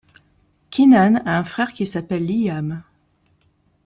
Keenan a un frère qui s'appelle Liam.